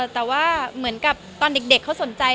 แต่ว่าเหมือนกับตอนเด็กเขาสนใจ